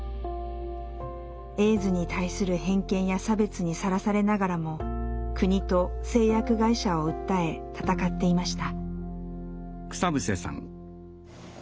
エイズに対する偏見や差別にさらされながらも国と製薬会社を訴え闘っていました。